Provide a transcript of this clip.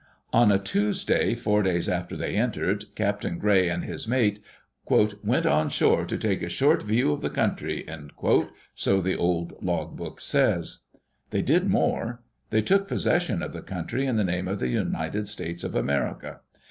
On a Tuesday, four days after they entered. Captain Gray and his mate "went on shore to take a short view of the country," so the old log book says. They did more. They took possession of the country in the name of the United States of America.